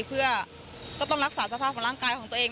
เพื่อก็ต้องรักษาสภาพของร่างกายของตัวเอง